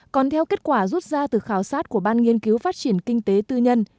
còn theo kết quả rút ra từ khảo sát của ban nghiên cứu phát triển kinh tế tư nhân